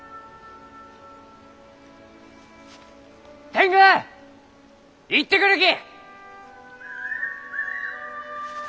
天狗行ってくるき！